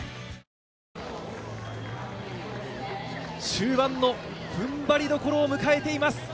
終盤の踏ん張りどころを迎えています。